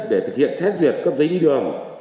để thực hiện xét duyệt cấp giấy đi đường